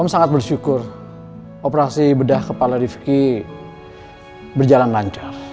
om sangat bersyukur operasi bedah kepala rifqi berjalan lancar